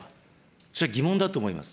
それは疑問だと思います。